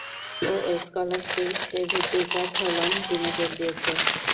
ও scholastic decathlon টিমে যোগ দিয়েছে।